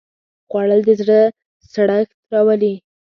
خوړل د زړه سړښت راولي